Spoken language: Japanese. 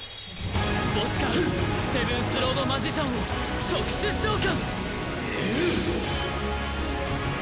墓地からセブンスロード・マジシャンを特殊召喚！